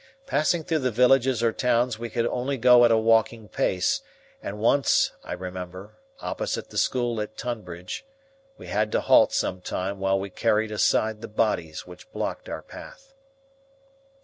Passing through the villages or towns we could only go at a walking pace, and once, I remember, opposite the school at Tonbridge, we had to halt some time while we carried aside the bodies which blocked our path.